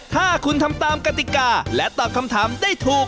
ถ้าคุณทำตามกติกาและตอบคำถามได้ถูก